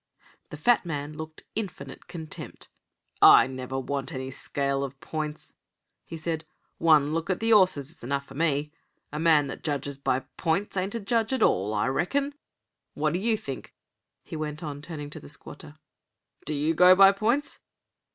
The fat man looked infinite contempt. "I never want any scale of points," he said. "One look at the 'orses is enough for me. A man that judges by points ain't a judge at all, I reckon. What do you think?" he went on, turning to the squatter. "Do you go by points?"